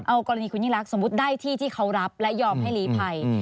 เอากรณีคุณยิ่งรักสมมุติได้ที่ที่เขารับและยอมให้ลีภัย